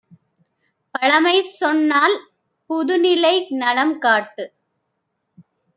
பழமைசொன் னால்புது நிலைநலம் காட்டு!